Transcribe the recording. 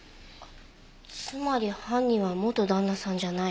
つまり犯人は元旦那さんじゃない。